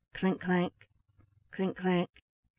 clink clank! clink clank!